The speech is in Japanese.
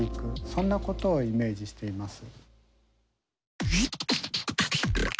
そんなことをイメージしています。